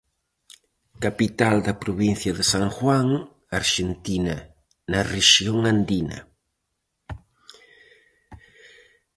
Capital da provincia de San Juan, Arxentina, na rexión Andina.